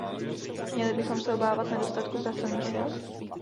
Měli bychom se obávat nedostatku pracovních sil?